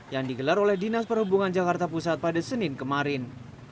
yang digelar oleh dinas perhubungan jakarta pusat pada senin kemarin